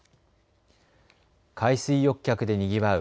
海水浴客でにぎわう